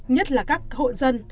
nhất là các hộ dân